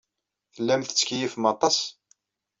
Tellam tettkeyyifem aṭas.